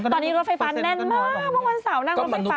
ตอนนี้รถไฟฟ้าแน่นมากเมื่อวันเสาร์นั่งรถไฟฟ้า